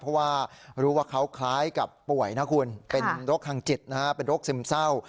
เพราะว่ารู้ว่าเขาคล้ายกับป่วยนะคุณเป็นโรคทางจิตนะฮะเป็นโรคซึมเศร้า